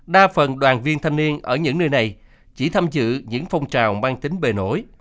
đa phần đoàn viên thanh niên ở những nơi này chỉ tham dự những phong trào mang tính bề nổi